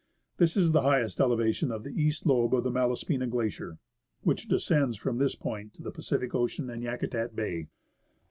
This is the highest elevation of the east lobe of the Malaspina Glacier, which descends from this point to the Pacific Ocean and Yakutat Bay.